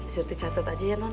surty catet aja ya non